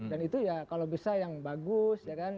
dan itu ya kalau bisa yang bagus ya kan